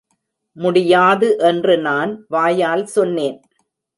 முடியாது என்று நான் வாயால் சொன்னேன்.